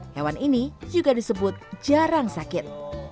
hewan ini juga disebut jarang sakit